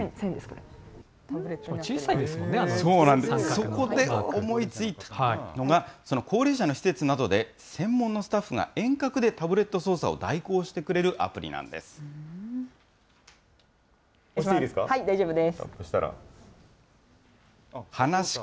そこで思いついたのが、その高齢者の施設などで専門のスタッフが遠隔でタブレット操作を押していいですか？